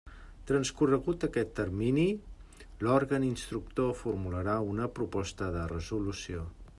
Transcorregut aquest termini, l'òrgan instructor formularà una proposta de resolució.